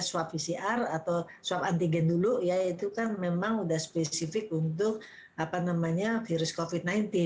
swab pcr atau swab antigen dulu ya itu kan memang sudah spesifik untuk virus covid sembilan belas